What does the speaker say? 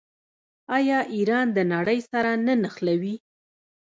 آیا ایران د نړۍ سره نه نښلوي؟